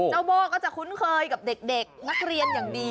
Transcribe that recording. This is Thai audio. โบ้ก็จะคุ้นเคยกับเด็กนักเรียนอย่างดี